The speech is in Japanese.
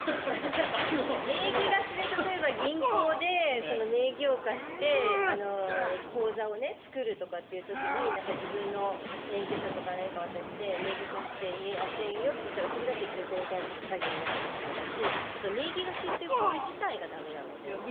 名義貸しで例えば銀行で名義を貸して口座を作るって時に自分の免許証とか何かを渡して名義を貸していいよ、やっていいよというのだってそれだって銀行に対する詐欺になるし名義貸しという行為自体が駄目なので。